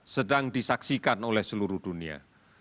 sedang disaksikan oleh seluruh dunia